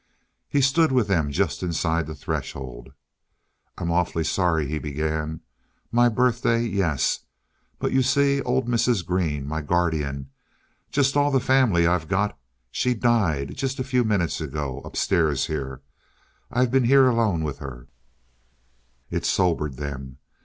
He stood with them just inside the threshold. "I I'm awfully sorry," he began. "My birthday yes, but you see old Mrs. Green my guardian just all the family I've got she died, just a few minutes ago upstairs here I've been here alone with her " It sobered them.